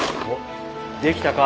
できたか？